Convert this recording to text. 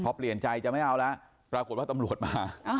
พอเปลี่ยนใจจะไม่เอาแล้วปรากฏว่าตำรวจมา